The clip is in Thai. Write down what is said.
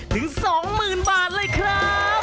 ถึง๒๐๐๐บาทเลยครับ